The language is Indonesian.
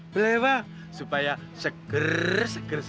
beli beli supaya seker seker